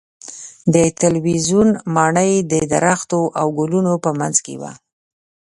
د تلویزیون ماڼۍ د درختو او ګلونو په منځ کې وه.